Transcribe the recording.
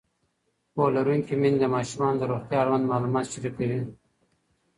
پوهه لرونکې میندې د ماشومانو د روغتیا اړوند معلومات شریکوي.